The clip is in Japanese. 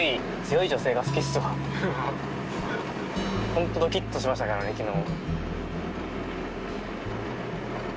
ホントドキッとしましたからね昨日。